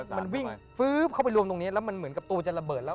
มันวิ่งฟื๊บเข้าไปรวมตรงนี้แล้วมันเหมือนกับตัวจะระเบิดแล้ว